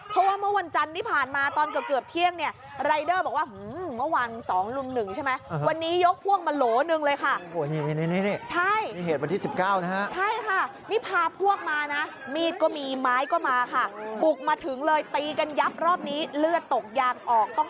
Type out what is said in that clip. เพราะว่าเมื่อวันอาทิตย์จันทร์ที่ผ่านมาตอนเกือบเที่ยง